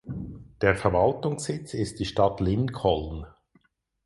Der Verwaltungssitz ist die Stadt Lincoln.